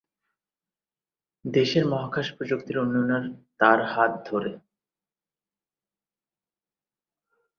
দেশের মহাকাশ প্রযুক্তির উন্নয়ন তার হাত ধরে।